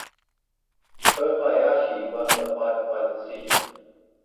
Kobayashi won the fight by decision.